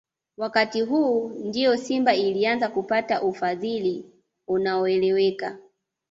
Wakati huu ndio Simba ilianza kupata ufadhili unaoeleweka